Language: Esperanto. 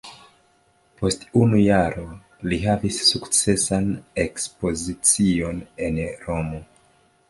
Post unu jaro li havis sukcesan ekspozicion en Romo.